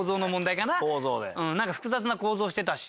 なんか複雑な構造してたし。